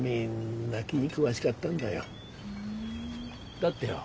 だってよ